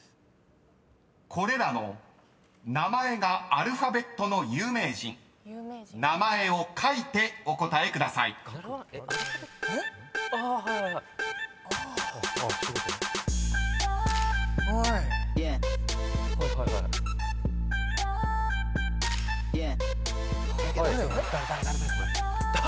［これらの名前がアルファベットの有名人名前を書いてお答えください］誰？